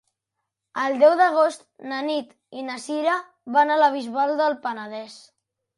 El deu d'agost na Nit i na Cira van a la Bisbal del Penedès.